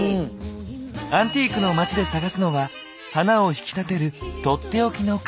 アンティークの街で探すのは花を引き立てる取って置きの花瓶。